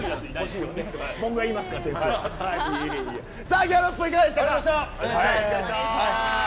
さあギャロップいかがでしたか。